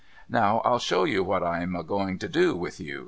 Now I'll show you what I am a going to do with you.